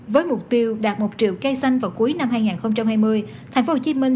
với mục tiêu đạt một triệu cây xanh vào cuối năm hai nghìn hai mươi thành phố hồ chí minh